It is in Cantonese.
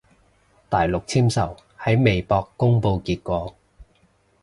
大陸簽售喺微博公佈結果